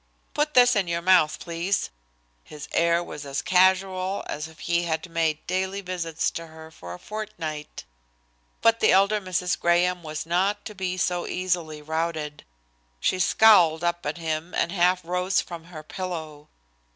"Put this in your mouth, please." His air was as casual as if he had made daily visits to her for a fortnight. But the elder Mrs. Graham was not to be so easily routed. She scowled up at him and half rose from her pillow.